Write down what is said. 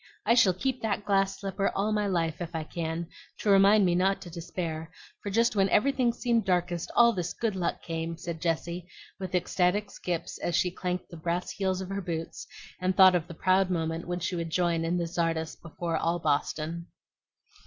I shall keep that glass slipper all my life, if I can, to remind me not to despair; for just when everything seemed darkest, all this good luck came," said Jessie, with ecstatic skips as she clanked the brass heels of her boots and thought of the proud moment when she would join in the tzardas before all Boston.